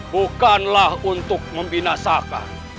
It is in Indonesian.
bukanlah untuk membinasakan